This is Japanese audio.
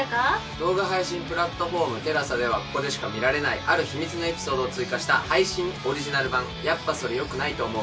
動画配信プラットフォームＴＥＬＡＳＡではここでしか見られないある秘密のエピソードを追加した配信オリジナル版『やっぱそれ、よくないと思う。